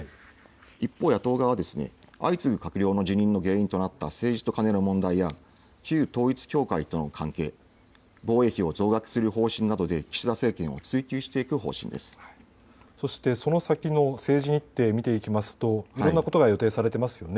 一方、野党側は、相次ぐ閣僚の辞任の原因となった政治とカネの問題や旧統一教会との関係防衛費を増額する方針などでそして、その先の政治日程を見ていきますと、いろんなことが予定されていますね。